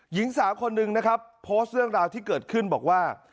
หญิงสาวคนหนึ่งนะครับโพสต์เรื่องราวที่เกิดขึ้นบอกว่า